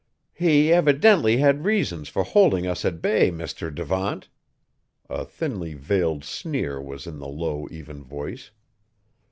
"He evidently had reasons for holding us at bay, Mr. Devant." A thinly veiled sneer was in the low, even voice.